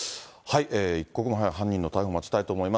一刻も早い犯人の逮捕を待ちたいと思います。